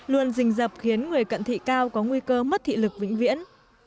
luôn rình rập khiến người cận thị cao có nguy cơ mất thị lực vĩnh viễn